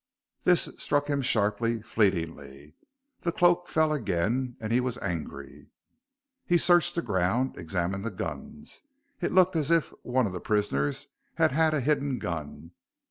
_ This struck him sharply, fleetingly. The cloak fell again, and he was angry. He searched the ground, examined the guns. It looked as if one of the prisoners had had a hidden gun.